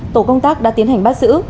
tổ công tác đã tiến hành bắt giữ